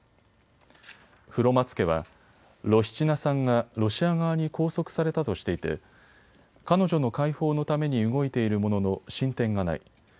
フロマツケはロシチナさんがロシア側に拘束されたとしていて彼女の解放のために動いているものの進展がない。